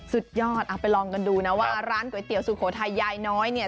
สุดยอดเอาไปลองกันดูนะว่าร้านก๋วยเตี๋ยวสุโขทัยยายน้อยเนี่ย